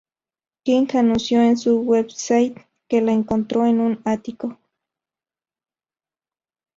King anunció en su website que la "encontró" en un ático.